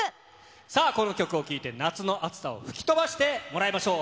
さあ、この曲を聴いて、夏の暑さを吹き飛ばしてもらいましょう。